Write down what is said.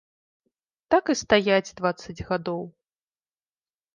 Так і стаяць дваццаць гадоў.